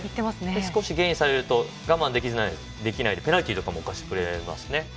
少しゲインされると我慢できずにペナルティとかも起こしてくれますね。